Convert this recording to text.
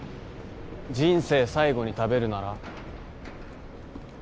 人生で最後に食べるなら？